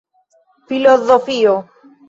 filozofio